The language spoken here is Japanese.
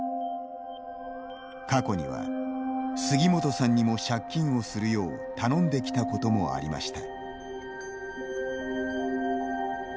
過去には、杉本さんにも借金をするよう頼んできたこともありました。